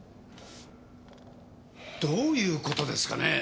どういうことですかねえ。